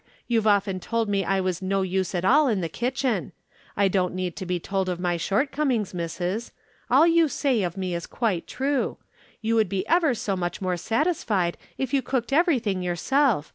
You've often told me I was no use at all in the kitchen. I don't need to be told of my shortcomings, missus. All you say of me is quite true. You would be ever so much more satisfied if you cooked everything yourself.